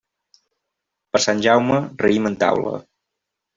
Per Sant Jaume, raïm en taula.